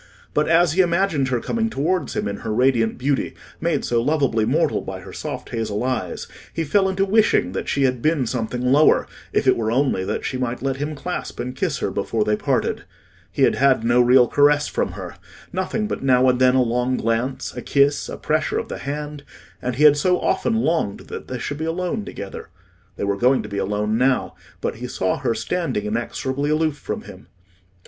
But as he imagined her coming towards him in her radiant beauty, made so loveably mortal by her soft hazel eyes, he fell into wishing that she had been something lower, if it were only that she might let him clasp her and kiss her before they parted. He had had no real caress from her—nothing but now and then a long glance, a kiss, a pressure of the hand; and he had so often longed that they should be alone together. They were going to be alone now; but he saw her standing inexorably aloof from him.